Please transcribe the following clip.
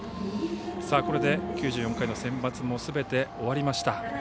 これで９４回のセンバツもすべて終わりました。